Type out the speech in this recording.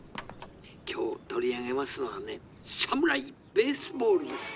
「今日取り上げますのはね『サムライ・ベースボール』です。